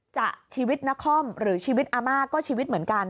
จะชีวิตนครหรือชีวิตอาม่าก็ชีวิตเหมือนกัน